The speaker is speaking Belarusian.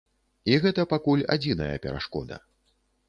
І гэта пакуль адзіная перашкода.